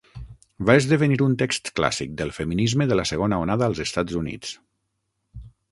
Va esdevenir un text clàssic del feminisme de la segona onada als Estats Units.